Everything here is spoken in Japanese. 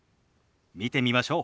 見てみましょう。